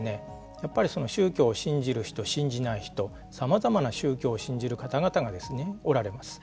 やっぱり宗教を信じる人信じない人さまざまな宗教を信じる方々がおられます。